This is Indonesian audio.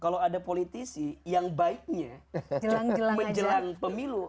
kalau ada politisi yang baiknya menjelang pemilu